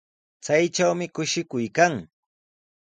Chaytrawmi kushikuy kan.